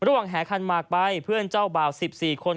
หัวถ้าหวังแหกคันมากไปเพื่อนเจ้าบ่าว๑๔คน